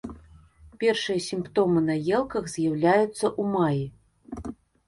Першыя сімптомы на елках з'яўляюцца ў маі.